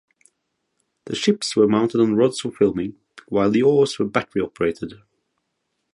The ships were mounted on rods for filming, while the oars were battery operated.